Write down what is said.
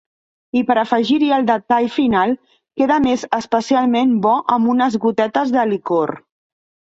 I per afegir-hi el detall final, queda més especialment bo amb unes gotetes de licor.